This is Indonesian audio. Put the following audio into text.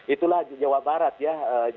itulah jawa barat ya